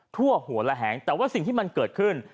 ทั่วหัวระแหงแต่ว่าสิ่งที่มันเกิดขึ้น